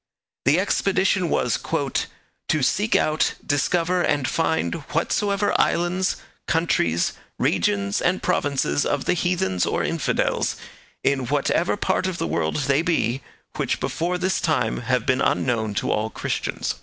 The expedition was 'to seek out, discover and find whatsoever islands, countries, regions and provinces of the heathens or infidels, in whatever part of the world they be, which before this time have been unknown to all Christians.'